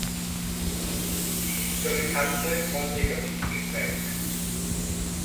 Die hintere Kante war negativ gepfeilt.